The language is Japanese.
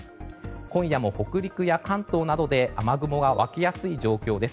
今夜も北陸や関東などで雨雲が湧きやすい状況です。